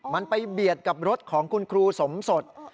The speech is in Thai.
มันไปเบียดกับรถของคุณครูสมสด